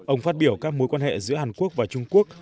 ông phát biểu các mối quan hệ giữa hàn quốc và trung quốc